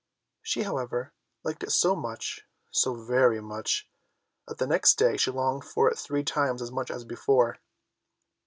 She, however, liked it so much—so very much, that the next day she longed for it three times as much as before.